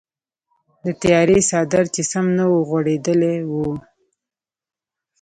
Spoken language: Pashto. د تیارې څادر چې سم نه وغوړیدلی و.